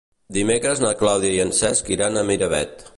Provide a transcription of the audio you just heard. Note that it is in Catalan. Dimecres na Clàudia i en Cesc iran a Miravet.